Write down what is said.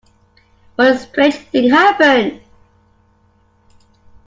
But a strange thing happened.